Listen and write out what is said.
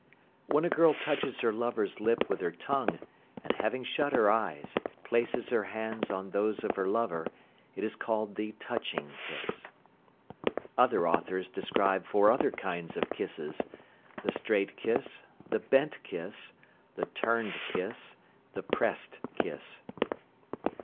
When a girl touches her lover's lip with her tongue, and having shut her eyes, places her hands on those of her lover, it is called the "touching kiss." Other authors describe four other kinds of kisses, viz.: The straight kiss. The bent kiss. The turned kiss. The pressed kiss.